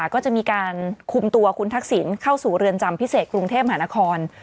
ก็จะมีการคุมตัวคุณทักษิณเข้าสู่เรือนจำพิเศษกรุงเทพหานคร